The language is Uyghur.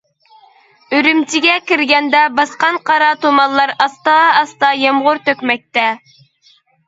ئۈرۈمچىگە كىرگەندە باسقان قارا تۇمانلار ئاستا ئاستا يامغۇر تۆكمەكتە.